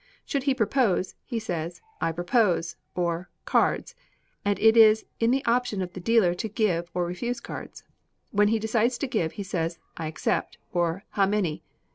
Should he propose, he says, "I propose," or "cards," and it is in the option of the dealer to give or refuse cards. When he decides to give, he says, "I accept," or "How many?"